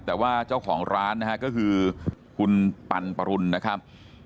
แต่ว่าเจ้าของร้านนะฮะก็คือคุณปันปรุณนะครับ